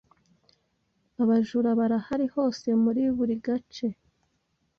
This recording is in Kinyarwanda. Abajuru Barahari hose muri buri gace.